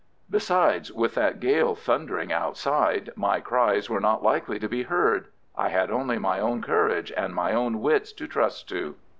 Besides, with that gale thundering outside, my cries were not likely to be heard. I had only my own courage and my own wits to trust to.